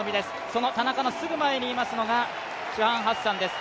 その田中のすぐ前にいますのがハッサンです。